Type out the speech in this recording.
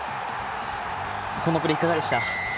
このプレー、いかがでしたか？